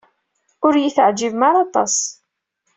Ur iyi-teɛjibem ara aṭas.